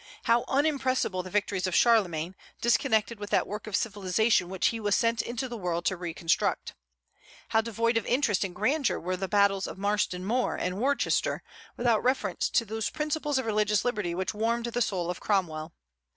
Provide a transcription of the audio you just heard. How unimpressible the victories of Charlemagne, disconnected with that work of civilization which he was sent into the world to reconstruct! How devoid of interest and grandeur were the battles of Marston Moor and Worcester, without reference to those principles of religious liberty which warmed the soul of Cromwell!